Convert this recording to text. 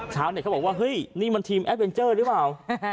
เขาบอกว่าเฮ้ยนี่มันทีมแอดเวนเจอร์หรือเปล่า